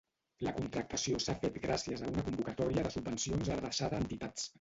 La contractació s’ha fet gràcies a una convocatòria de subvencions adreçada a entitats.